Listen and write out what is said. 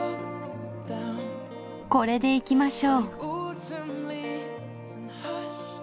これでいきましょう。